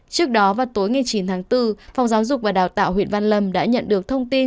trước đó vào tối ngày chín tháng bốn phòng giáo dục và đào tạo huyện văn lâm đã nhận được thông tin